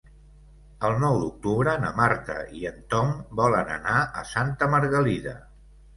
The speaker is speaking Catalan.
El nou d'octubre na Marta i en Tom volen anar a Santa Margalida.